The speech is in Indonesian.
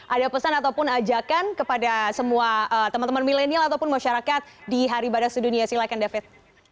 ada pesan ataupun ajakan kepada semua teman teman milenial ataupun masyarakat di hari badak sedunia silakan david